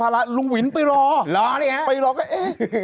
ลุงหวินไปรอไปรอก็เอ๊ะ